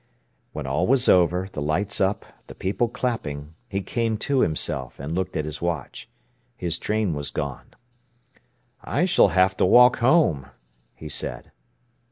When all was over, the lights up, the people clapping, he came to himself and looked at his watch. His train was gone. "I s'll have to walk home!" he said.